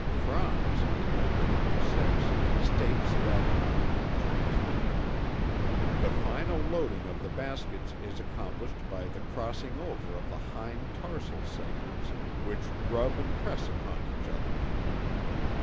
Franz (1906) states that (translated) "the final loading of the baskets is accomplished by the crossing over of the hind tarsal segments, which rub and press upon each other."